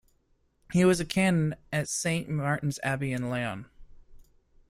He was a canon at Saint Martin's Abbey in Laon.